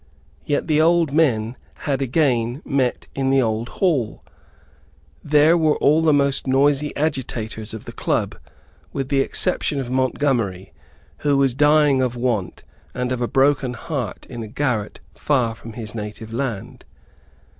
Yet the old men had again met in the old hall. There were all the most noisy agitators of the club, with the exception of Montgomery, who was dying of want and of a broken heart in a garret far from his native land.